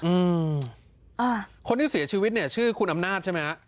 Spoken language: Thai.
อืมอ่าคนที่เสียชีวิตเนี่ยชื่อคุณอำนาจใช่ไหมฮะ